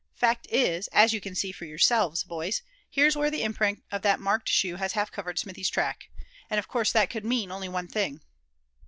Fact is, as you can see for yourselves, boys; here's where the imprint of that marked shoe has half covered Smithy's track. And of course that could mean only one thing."